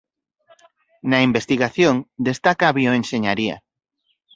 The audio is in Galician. Na investigación destaca a bioenxeñaría.